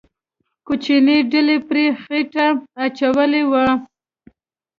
کوچنۍ ډلې پرې خېټه اچولې وه.